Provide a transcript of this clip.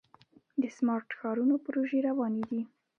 د سمارټ ښارونو پروژې روانې دي.